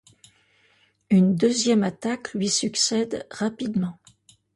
Une deuxième attaque lui succède rapidement.